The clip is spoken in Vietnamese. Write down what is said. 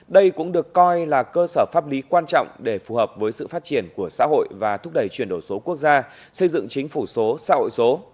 đây cũng được coi là cơ sở pháp lý quan trọng để phù hợp với sự phát triển của xã hội và thúc đẩy chuyển đổi số quốc gia xây dựng chính phủ số xã hội số